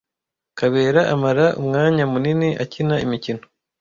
KABERA amara umwanya munini akina imikino.